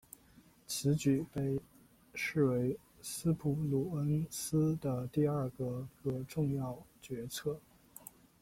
此举被视为斯普鲁恩斯的第二个个重要决策。